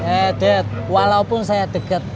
eh dead walaupun saya dekat